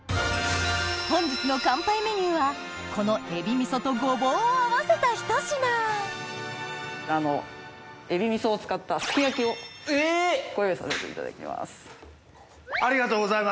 本日の乾杯メニューはこの海老味噌とごぼうを合わせたひと品海老味噌を使ったすき焼きをご用意させていただきます。